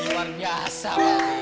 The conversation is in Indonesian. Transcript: luar biasa papi